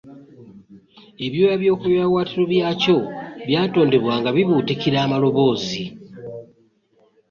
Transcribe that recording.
Ebyoya by’oku biwawaatiro byakyo byatondebwa nga bibuutikira amaloboozi.